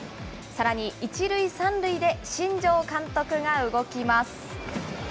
さらに、１塁３塁で新庄監督が動きます。